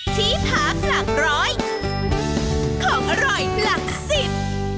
ที่พักหลักร้อยของอร่อยหลักสิบ